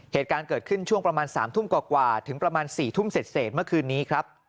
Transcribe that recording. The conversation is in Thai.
เหตุการณ์เกิดขึ้นช่วงประมาณ๓ทุ่มกว่าถึงประมาณ๔ทุ่มเสร็จเมื่อคืนนี้ครับ